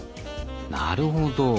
なるほど。